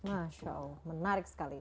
masya allah menarik sekali